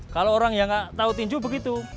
kalau orang yang nggak tahu petinju begitu